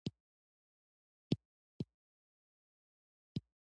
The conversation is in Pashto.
د پروان په غوربند کې د ډبرو سکاره شته.